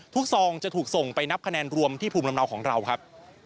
ซองจะถูกส่งไปนับคะแนนรวมที่ภูมิลำเนาของเราครับ